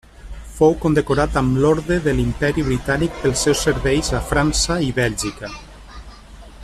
Fou condecorat amb l'Orde de l'Imperi Britànic pels seus serveis a França i Bèlgica.